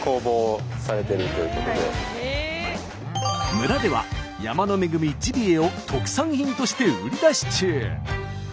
村では山の恵みジビエを特産品として売り出し中。